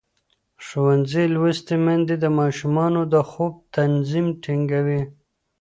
ښوونځې لوستې میندې د ماشومانو د خوب نظم ټینګوي.